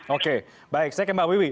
oke baik saya ke mbak wiwi